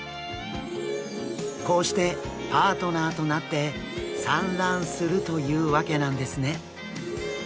こうしてパートナーとなって産卵するというわけなんですね。